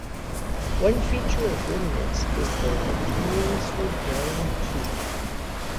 One feature of ruminants is their continuously growing teeth.